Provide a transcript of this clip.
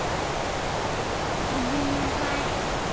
ごっごめんなさい。